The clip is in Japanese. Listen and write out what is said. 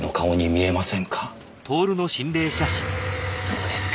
そうですか？